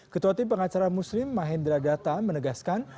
ketua tim pengacara muslim mahendra data menegaskan